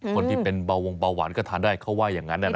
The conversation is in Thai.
คนที่เป็นเบาวงเบาหวานก็ทานได้เขาว่าอย่างนั้น